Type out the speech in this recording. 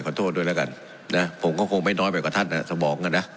ขอโทษด้วยแล้วกันนะผมก็คงไม่น้อยไปกว่าท่านสมองกันนะ